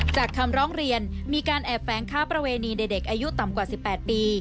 คำร้องเรียนมีการแอบแฟ้งค้าประเวณีเด็กอายุต่ำกว่า๑๘ปี